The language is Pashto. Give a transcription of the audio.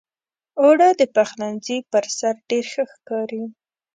اوړه د پخلنځي پر سر ډېر ښه ښکاري